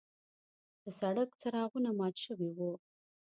د سړک څراغونه مات شوي وو.